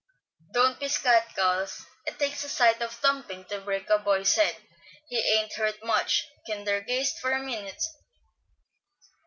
"Don't be scat, gals; it takes a sight of thumpin' to break a boy's head. He ain't hurt much; kinder dazed for a minute.